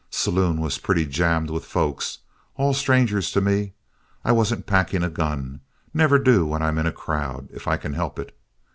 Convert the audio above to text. Saloon was pretty jammed with folks, all strangers to me. I wasn't packing a gun. Never do when I'm in a crowd, if I can help it.